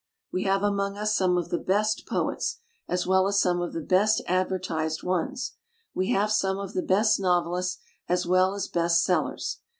We have among us some of the best poets, — as well as some of the best advertised ones ; we have some of the best novelists. — as well as best sellers.